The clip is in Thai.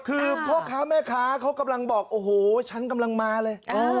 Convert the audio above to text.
คือพ่อค้าแม่ค้าเขากำลังบอกโอ้โหฉันกำลังมาเลย